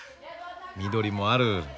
緑もある。